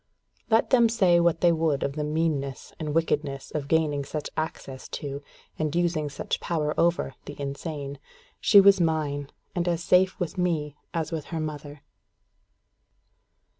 Let them say what they would of the meanness and wickedness of gaining such access to, and using such power over, the insane she was mine, and as safe with me as with her mother.